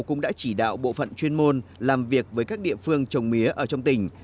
cũng đã chỉ đạo bộ phận chuyên môn làm việc với các địa phương trồng mía ở trong tỉnh